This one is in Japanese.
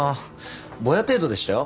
ぼや程度でしたよ。